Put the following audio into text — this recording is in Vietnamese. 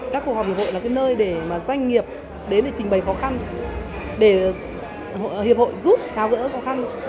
các cuộc họp hiệp hội là cái nơi để doanh nghiệp đến để trình bày khó khăn để hiệp hội giúp thao gỡ khó khăn